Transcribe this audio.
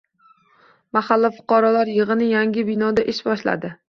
Mahalla fuqarolar yig‘ini yangi binoda ish boshladi